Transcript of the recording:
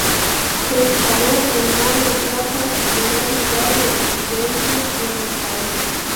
Se instaló en Mar del Plata, su primer lugar de residencia en el país.